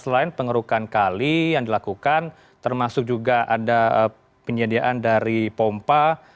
selain pengerukan kali yang dilakukan termasuk juga ada penyediaan dari pompa